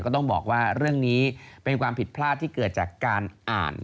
ต้องบอกว่าเรื่องนี้เป็นความผิดพลาดที่เกิดจากการอ่าน